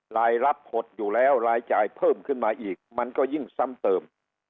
รายรับหดอยู่แล้วรายจ่ายเพิ่มขึ้นมาอีกมันก็ยิ่งซ้ำเติม